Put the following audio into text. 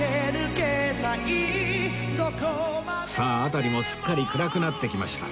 さあ辺りもすっかり暗くなってきました